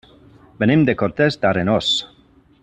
Venim de Cortes d'Arenós.